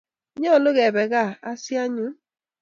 Nyalu kepe kaa as anyun